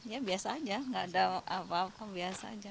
ya biasa aja nggak ada apa apa biasa aja